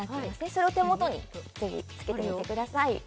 それを手元にぜひつけてみてください